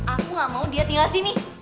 aku gak mau dia tinggal sini